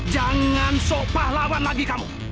jangan sepahlawan lagi kamu